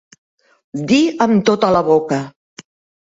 Dir amb tota la boca.